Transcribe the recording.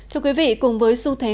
thưa quý vị cùng với xu thế